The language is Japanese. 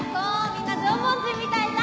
みんな縄文人みたいだ！